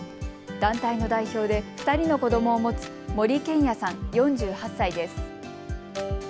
団体の代表で２人の子どもを持つ森健也さん、４８歳です。